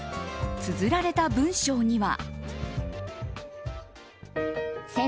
つづられた文章には。